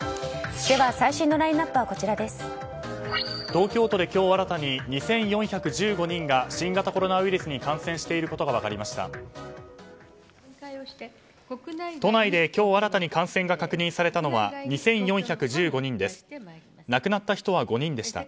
東京都で今日新たに２４１５人が新型コロナウイルスに感染していることが分かりました。